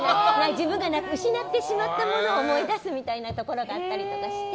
自分が失ってしまったものを思い出すみたいなところがあったりして。